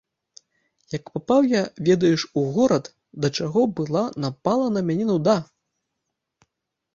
Як папаў я, ведаеш, у горад, да чаго была напала на мяне нуда.